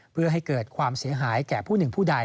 เพื่อให้เกิดความเสียหายแก่ผู้หนึ่งผู้ใด